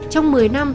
trong một mươi năm